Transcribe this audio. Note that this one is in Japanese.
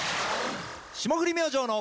霜降り明星の。